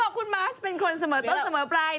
ก็บอกคุณม้าเป็นคนเสมอเติ้ลเสมอปลาย